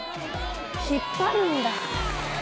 引っ張るんだ。